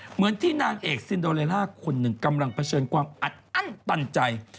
เหมือนที่นางเอกซินโดเลล่าคนหนึ่งกำลังเผชิญความอัดอั้นตันใจ